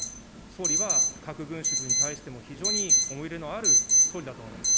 総理は核軍縮に対しても非常に思い入れのある総理だと思います。